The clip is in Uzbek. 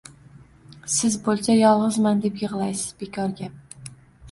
Siz bo‘lsa yolg‘izman, deb yig‘laysiz, bekor gap.